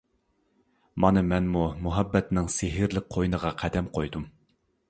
مانا مەنمۇ مۇھەببەتنىڭ سېھىرلىك قوينىغا قەدەم قويدۇم.